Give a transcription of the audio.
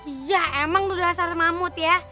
iya emang lo dasar mamut ya